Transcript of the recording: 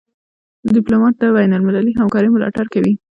ډيپلومات د بینالمللي همکارۍ ملاتړ کوي.